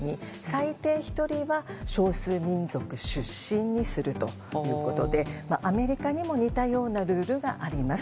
最低１人は少数民族出身にするということでアメリカにも似たようなルールがあります。